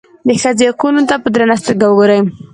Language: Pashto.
د ښځې حقونو ته په درنه سترګه وګوري.